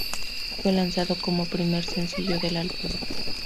Fue lanzado como primer sencillo del álbum.